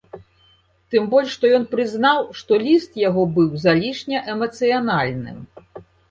Тым больш што ён прызнаў, што ліст яго было залішне эмацыянальным.